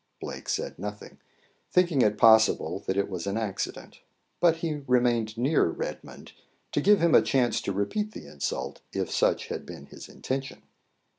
Blake said nothing, thinking it possible that it was an accident; but he remained near Redmond, to give him a chance to repeat the insult, if such had been his intention.